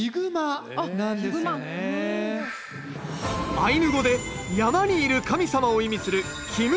アイヌ語で山にいる神様を意味するキムンカムイ。